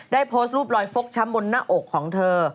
โพสต์รูปรอยฟกช้ำบนหน้าอกของเธอ